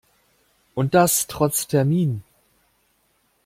Und das trotz Termin.